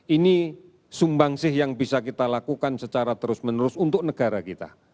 ini sumbang sih yang bisa kita lakukan secara terus menerus untuk negara kita